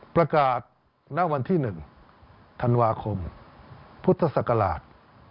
ประกาศณวันที่๑ธันวาคมพุทธศักราช